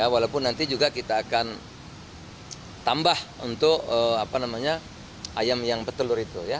walaupun nanti juga kita akan tambah untuk ayam yang petelur itu ya